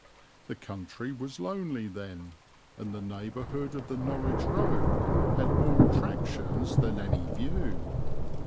The country was lonely then, and the neighbourhood of the Norwich road had more attractions than any view.